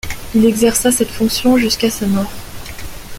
Il exerça cette fonction jusqu'à sa mort.